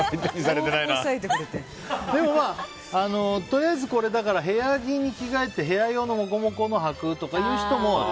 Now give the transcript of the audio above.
でも、とりあえず部屋着に着替えて部屋用のもこもこのをはくとかいう人も。